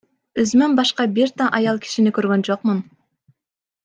Өзүмөн башка бир да аял кишини көргөн жокмун.